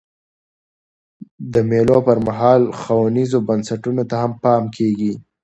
د مېلو پر مهال ښوونیزو بنسټونو ته هم پام کېږي.